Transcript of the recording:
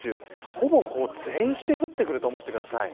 ほぼ全域で降ってくると思ってください。